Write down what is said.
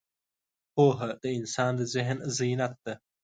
پوهه د انسان د ذهن زینت ده.